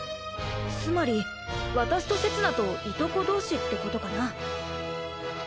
つまり私とせつなといとこ同士ってことかな？